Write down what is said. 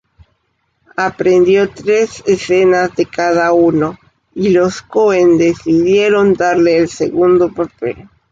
Aprendió tres escenas de cada uno, y los Coen decidieron darle el segundo papel.